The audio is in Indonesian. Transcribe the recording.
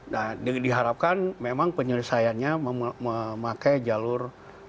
nah diharapkan memang penyelesaiannya memakai jalur